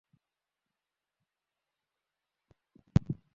আবার যখন সেই সুযোগ মিলল, ওয়েলস সেটি দুই হাত ভরেই নিয়েছে।